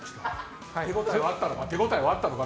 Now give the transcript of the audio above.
手応えはあったのか？